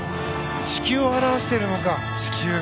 地球を表しているのか。